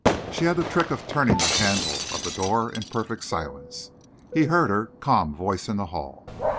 She had the trick of turning the handle of the door in perfect silence. He heard her calm voice in the hall.